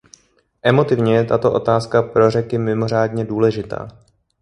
Emotivně je tato otázka pro Řeky mimořádně důležitá.